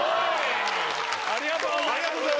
ありがとうございます！